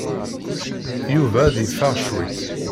Yuba ad yeffeɣ cwiṭ.